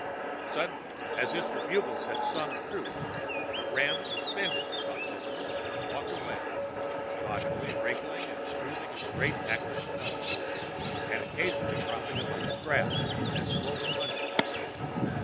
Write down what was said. "Suddenly, as if the bugles had sung truce, the ram suspended hostilities and walked away, thoughtfully wrinkling and smoothing its great aquiline nose, and occasionally cropping a bunch of grass and slowly munching it.